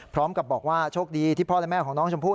พร้อมกับบอกว่าโชคดีที่พ่อและแม่ของน้องชมพู่